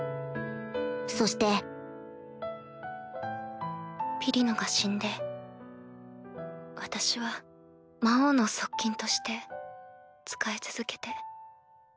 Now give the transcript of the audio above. そしてピリノが死んで私は魔王の側近として仕え続けて。